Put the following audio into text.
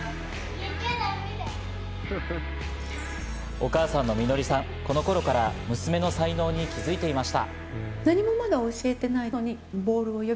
お母さんの美乃りさん、この頃から娘の才能に気づいていました。